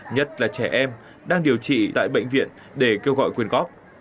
nhất là trẻ em đang điều trị tại bệnh viện để kêu gọi quyên góp